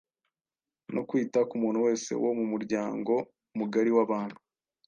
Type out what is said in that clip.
no kwita ku muntu wese wo mu muryango mugari w’abantu.